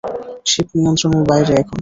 Sheep নিয়ন্ত্রনের বাইরে এখন।